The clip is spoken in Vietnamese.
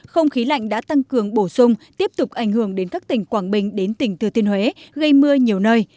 không khí lạnh đã tăng cường bổ sung tiếp tục ảnh hưởng đến các tỉnh quảng bình đến tỉnh thừa thiên huế gây mưa nhiều nơi